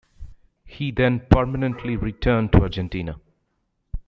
He then permanently returned to Argentina.